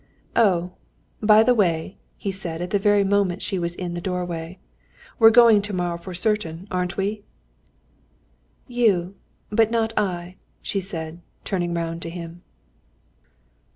"Oh, by the way," he said at the very moment she was in the doorway, "we're going tomorrow for certain, aren't we?" "You, but not I," she said, turning round to him.